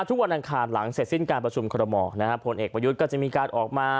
วันอังคารหลังเสร็จสิ้นการประชุมคอรมอลนะฮะผลเอกประยุทธ์ก็จะมีการออกมา